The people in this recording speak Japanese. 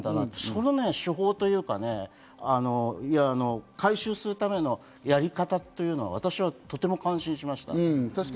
その手法、回収するためのやり方は私はとても感心しました。